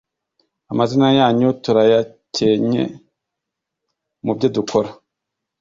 Amazina yanyu turayakenye mubyo dukora